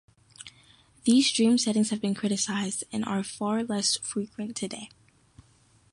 These dream-settings have been criticized, and are far less frequent today.